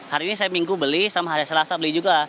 hari ini saya minggu beli sama hari selasa beli juga